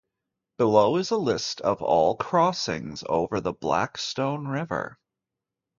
Below is a list of all crossings over the Blackstone River.